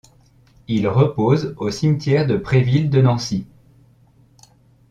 Il repose au cimetière de Préville de Nancy.